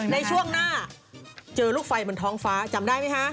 ในช่วงหน้าเจอลูกไฟบนท้องฟ้าจำได้ไหมคะ